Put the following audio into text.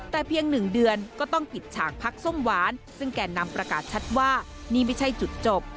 แต่เพียงหนึ่งเดือนก็ต้องปิดฉากพักส้มหวานซึ่งแก่นำประกาศชัดว่านี่ไม่ใช่จุดจบ